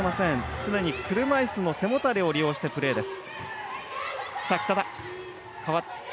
常に車いすの背もたれを利用してプレーです。